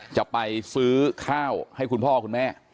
จะไปซื้อข้าวให้คุณพ่อคุณแม่